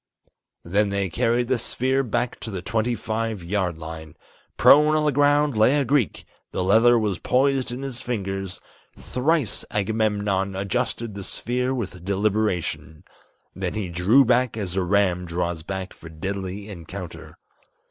Then they carried the sphere back to the twenty five yard line, Prone on the ground lay a Greek, the leather was poised in his fingers Thrice Agamemnon adjusted the sphere with deliberation; Then he drew back as a ram draws back for deadly encounter.